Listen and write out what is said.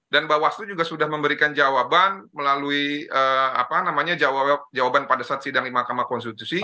dan mbak waslu juga sudah memberikan jawaban melalui jawaban pada saat sidang di mahkamah konstitusi